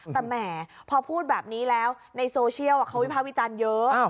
แต่แหมพอพูดแบบนี้แล้วในโซเชียลเขาวิภาควิจารณ์เยอะ